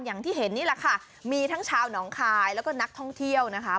อย่างที่เห็นนี่แหละค่ะมีทั้งชาวหนองคายแล้วก็นักท่องเที่ยวนะคะ